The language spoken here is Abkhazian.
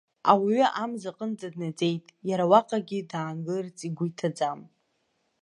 Ауаҩы амза аҟынӡа днаӡеит, иара уаҟагьы даангыларц игәы иҭаӡам!